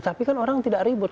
tapi kan orang tidak ribut